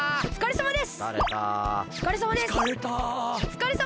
おつかれさまです！